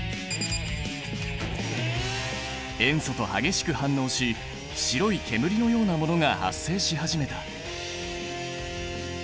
塩素と激しく反応し白い煙のようなものが発生し始めた。